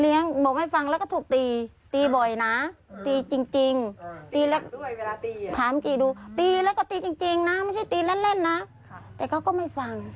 บอกให้ฟังแล้วก็ถูกตีตีบ่อยนะตีจริงตีแล้วถามตีดูตีแล้วก็ตีจริงนะไม่ใช่ตีเล่นนะแต่เขาก็ไม่ฟัง